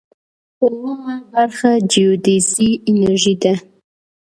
اوومه برخه جیوډیزي انجنیری ده.